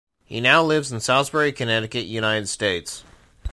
He now lives in Salisbury, Connecticut United States.